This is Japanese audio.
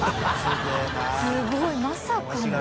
すごいまさかの。